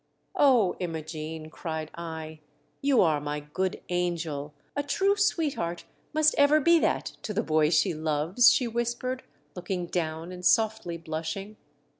"Oh, Imogene !" cried I, "you are my good angel " "A true sweetheart must ever be that to the boy she loves," she whispered, looking down and softly blushing.